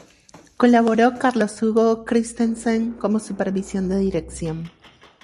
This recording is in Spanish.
Colaboró Carlos Hugo Christensen como supervisión de dirección.